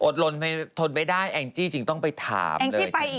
ลนทนไม่ได้แองจี้จึงต้องไปถามเลย